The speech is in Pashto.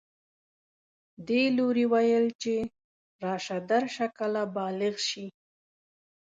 دې لوري ویل چې راشه درشه کله بالغ شي